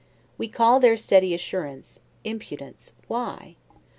We call their steady assurance, impudence why?